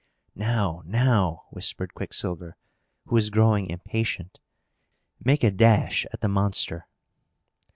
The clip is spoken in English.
"Now, now!" whispered Quicksilver, who was growing impatient. "Make a dash at the monster!"